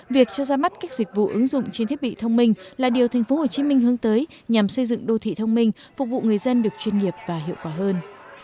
việc cho ra mắt các dịch vụ ứng dụng trên thiết bị thông minh là điều tp hcm hướng tới nhằm xây dựng đô thị thông minh phục vụ người dân được chuyên nghiệp và hiệu quả hơn